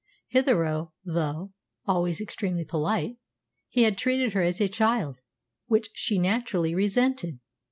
Hitherto, though always extremely polite, he had treated her as a child, which she naturally resented.